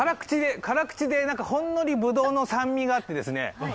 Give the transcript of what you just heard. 辛口でほんのりぶどうの酸味があってですね